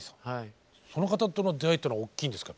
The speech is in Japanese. その方との出会いっていうのは大きいんですか？